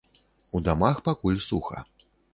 У дамах пакуль суха.